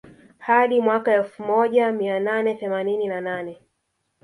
Hadi mwaka wa elfu moja mia nane themanini na nane